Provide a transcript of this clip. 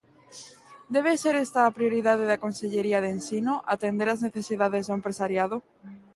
¿Debe ser esta a prioridade da consellería de ensino, atender as necesidades do empresariado?